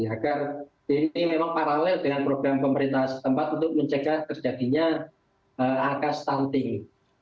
agar ini memang paralel dengan program pemerintah setempat untuk mencegah terjadinya angka stunting